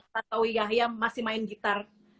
soalnya pak tantoy yahya masih main gitar